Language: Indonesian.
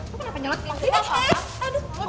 lu kenapa nyelot sama silla hah